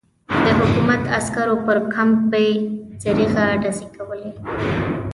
د حکومت عسکرو پر کمپ بې دریغه ډزې کولې.